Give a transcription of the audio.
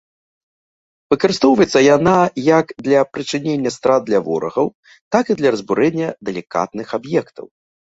Выкарыстоўваецца яна як для прычынення страт для ворагаў, так і для разбурэння далікатных аб'ектаў.